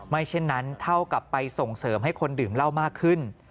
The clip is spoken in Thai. เช่นนั้นเท่ากับไปส่งเสริมให้คนดื่มเหล้ามากขึ้น